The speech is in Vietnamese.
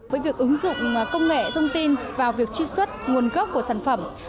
với việc ứng dụng công nghệ thông tin vào việc truy xuất nguồn gốc của sản phẩm